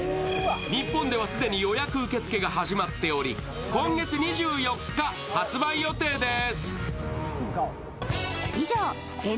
日本では既に予約受付が始まっており、今月２４日、発売予定です。